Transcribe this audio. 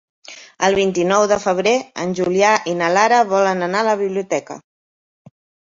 El vint-i-nou de febrer en Julià i na Lara volen anar a la biblioteca.